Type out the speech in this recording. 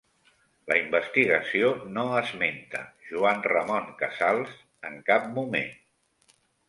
La investigació no esmenta Joan Ramon Casals en cap moment